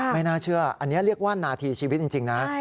ไม่น่าเชื่ออันนี้เรียกว่านาทีชีวิตจริงนะ